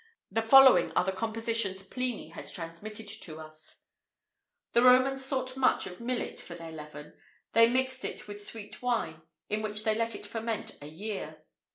The following are the compositions Pliny has transmitted to us: The Romans thought much of millet for their leaven; they mixed it with sweet wine, in which they let it ferment a year.